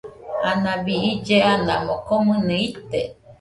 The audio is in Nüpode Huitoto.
Anabi ille anamo, komɨnɨ ite.